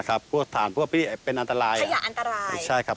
ทานพวกทานพวกไฟเป็นอันตรายน่ะครับใช่ครับผมอ๋อใครอย่างอันตราย